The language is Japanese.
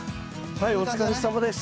はいお疲れさまです。